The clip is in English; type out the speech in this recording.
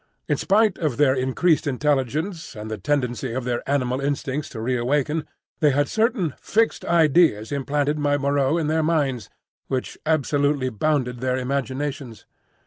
In spite of their increased intelligence and the tendency of their animal instincts to reawaken, they had certain fixed ideas implanted by Moreau in their minds, which absolutely bounded their imaginations.